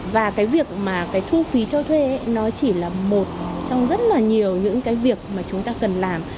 và cái việc mà cái thu phí cho thuê nó chỉ là một trong rất là nhiều những cái việc mà chúng ta cần làm